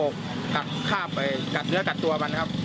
กลับข้ามไปกัดเนื้อกัดตัวมันครับ